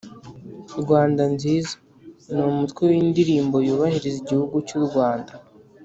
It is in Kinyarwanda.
rwanda nziza: ni umutwe w’indirimbo yubahiriza igihugu cy’u rwanda